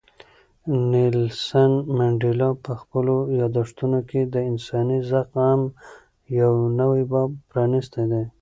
نیلسن منډېلا په خپلو یادښتونو کې د انساني زغم یو نوی باب پرانیستی دی.